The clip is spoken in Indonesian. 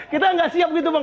kita nggak siap gitu bang